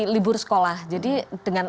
libur sekolah jadi dengan